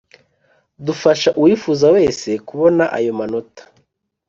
dufasha uwifuza wese kubona ayo manota